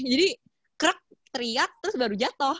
jadi krek teriak terus baru jatoh